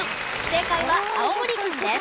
正解は青森県です。